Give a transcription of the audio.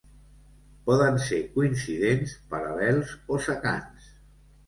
Poden ser coincidents, paral·lels o secants.